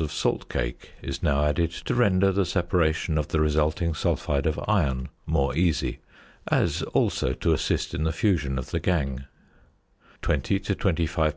of salt cake is now added to render the separation of the resulting sulphide of iron more easy, as also to assist in the fusion of the gangue; 20 to 25 lbs.